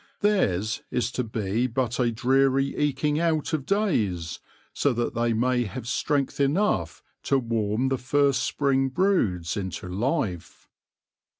Theirs is to be but a dreary eking out of days, so that they may have strength enough to warm the first spring broods into life.